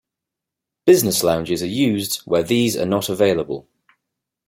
Business lounges are used where these are not available.